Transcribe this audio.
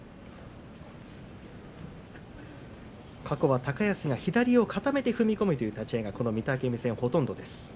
過去は、高安が左を固めて踏み込むという立ち合いがこの御嶽海戦、ほとんどです。